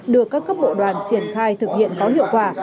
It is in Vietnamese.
được các cấp bộ đoàn triển khai thực hiện có hiệu quả